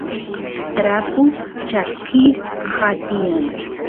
trapus chakisqa tiyan